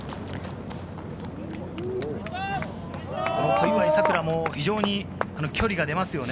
小祝さくらも非常に距離が出ますよね。